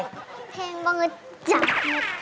เพลงบังเงิร์ดจากมิดค่ะ